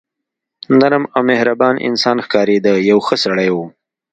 نرم او مهربان انسان ښکارېده، یو ښه سړی و.